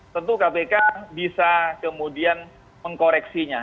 tentu kpk bisa kemudian mengkoreksinya